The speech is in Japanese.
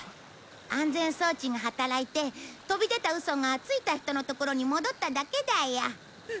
安全装置が働いて飛び出たウソがついた人のところに戻っただけだよ。